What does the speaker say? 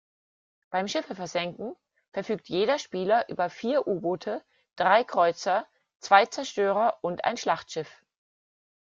Beim Schiffe versenken verfügt jeder Spieler über vier U-Boote, drei Kreuzer, zwei Zerstörer und ein Schlachtschiff.